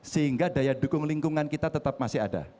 sehingga daya dukung lingkungan kita tetap masih ada